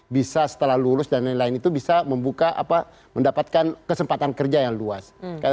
bisa setelah lulus dan lain lain itu bisa membuka apa mendapatkan kesempatan kerja yang luas